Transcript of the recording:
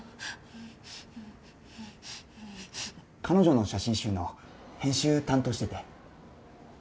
彼女の写真集の編集担当してて。